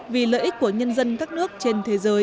vì lợi ích của nhân dân các nước trên thế giới